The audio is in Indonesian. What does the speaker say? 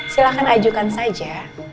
silahkan ajukan saja